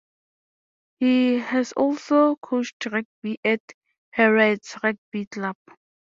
He has also coached rugby at Heriot's Rugby Club.